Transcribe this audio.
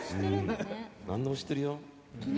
何でも知ってるんだね。